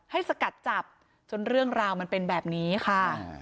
สกัดจับจนเรื่องราวมันเป็นแบบนี้ค่ะ